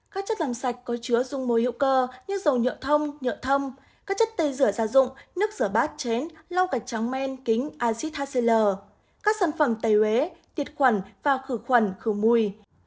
các chất làm sạch có chứa dung môi hữu cơ như dầu nhựa thông nhựa thâm các chất tây rửa gia dụng nước rửa bát chén lau cạch trắng men kính acid haseler các sản phẩm tây huế tiệt khuẩn và khử khuẩn khử mùi